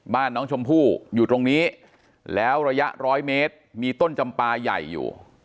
บ้านน้องชมพู่อยู่ตรงนี้แล้วระยะร้อยเมตรมีต้นจำปลาใหญ่อยู่